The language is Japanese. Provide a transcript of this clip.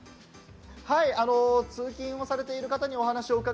通勤されている方にお話を伺